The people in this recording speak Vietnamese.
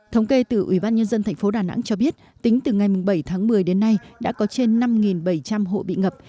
thông kê từ ubnd tp đà nẵng cho biết tính từ ngày bảy tháng một mươi đến nay đã có trên năm bảy trăm linh hộ bị ngập